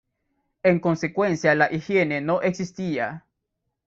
En consecuencia la higiene no existía.